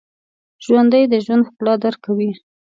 ژوندي د ژوند ښکلا درک کوي